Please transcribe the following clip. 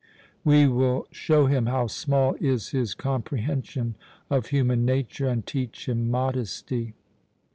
We will show him how small is his comprehension of human nature, and teach him modesty."